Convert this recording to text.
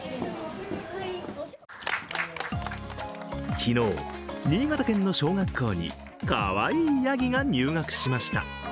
昨日、新潟県の小学校にかわいいやぎが入学しました。